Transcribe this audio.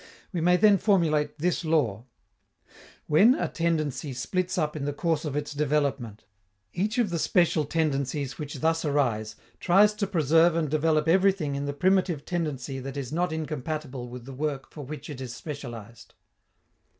We may then formulate this law: _When a tendency splits up in the course of its development, each of the special tendencies which thus arise tries to preserve and develop everything in the primitive tendency that is not incompatible with the work for which it is specialized.